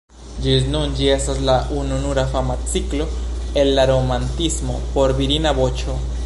Ĝis nun ĝi estas la ununura fama ciklo el la romantismo por virina voĉo.